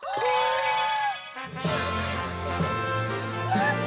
やった！